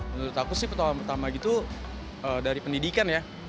menurut aku sih pertolongan pertama itu dari pendidikan ya